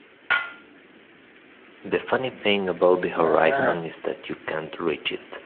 The funny thing about the horizon is that you can't reach it.